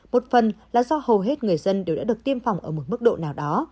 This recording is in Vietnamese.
một phần là do hầu hết người dân đều đã được tiêm phòng ở một mức độ nào đó